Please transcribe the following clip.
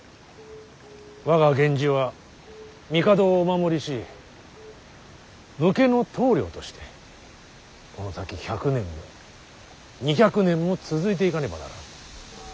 我が源氏は帝をお守りし武家の棟梁としてこの先１００年も２００年も続いていかねばならん。